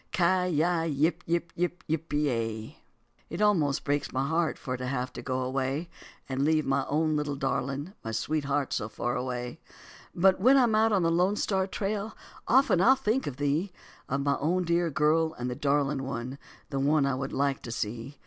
Ci yi yip yip yip pe ya. It almost breaks my heart for to have to go away, And leave my own little darling, my sweetheart so far away. But when I'm out on the Lone Star Trail often I'll think of thee, Of my own dear girl, the darling one, the one I would like to see.